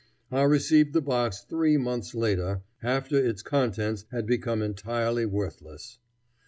I received the box three months later, after its contents had become entirely worthless.